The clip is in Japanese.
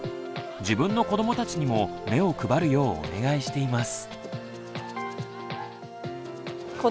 自分の子どもたちにも目を配るようお願いしています。